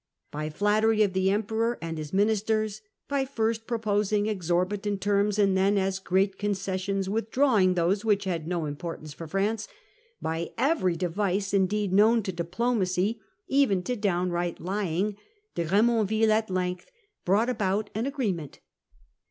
By flattery of the Emperor and his ministers, Treaty of by first proposing exorbitant terms, and then, eventual as great concessions, withdrawing those which January'ig, had no importance for France; by every x668. device, indeed, known to diplomacy, even to downright lying, De Gremonville at length brought 148 The Fall of Clarendon. 1668. about an agreement.